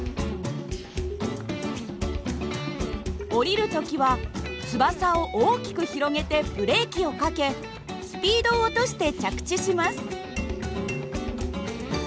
下りる時は翼を大きく広げてブレーキをかけスピードを落として着地します。